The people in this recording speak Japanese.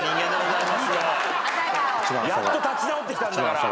やっと立ち直ってきたんだから。